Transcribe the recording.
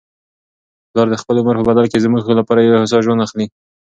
پلار د خپل عمر په بدل کي زموږ لپاره یو هوسا ژوند اخلي.